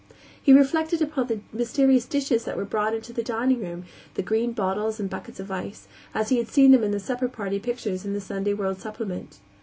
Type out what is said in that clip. He reflected upon the mysterious dishes that were brought into the dining room, the green bottles in buckets of ice, as he had seen them in the supper party pictures of the Sunday World supplement.